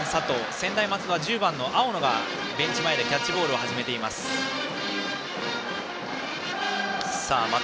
専大松戸は１０番の青野がベンチ前でキャッチボールを始めました。